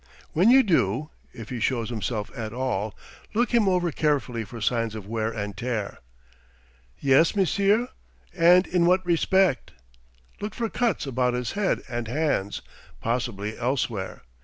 "When you do if he shows himself at all look him over carefully for signs of wear and tear." "Yes, monsieur? And in what respect?" "Look for cuts about his head and hands, possibly elsewhere.